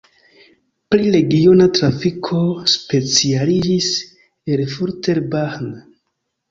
Pri regiona trafiko specialiĝis Erfurter Bahn.